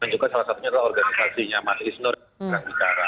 dan juga salah satunya adalah organisasi nyaman isner yang membicarakan